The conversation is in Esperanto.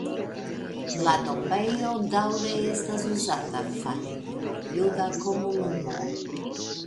La tombejo daŭre estas uzata fare de la juda komunumo.